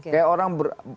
kayak orang ber